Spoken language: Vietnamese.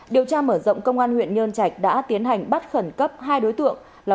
điều tra mở rộng công an huyện nhân trạch đã tiến hành bắt khẩn cấp hai đối tượng là